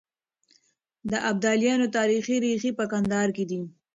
د ابدالیانو تاريخي ريښې په کندهار کې دي.